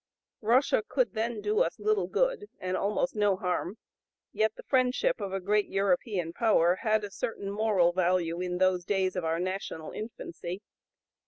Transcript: Russia could then do us little good and almost no harm, yet the (p. 072) friendship of a great European power had a certain moral value in those days of our national infancy.